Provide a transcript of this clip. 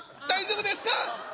大丈夫ですか？